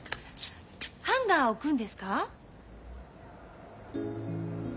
ハンガー置くんですか？